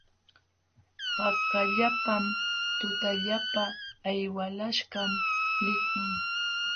Pakallapam tutallapa hay walaśhkaq likun.